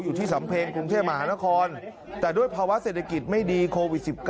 อยู่ที่สำเพ็งกรุงเทพมหานครแต่ด้วยภาวะเศรษฐกิจไม่ดีโควิด๑๙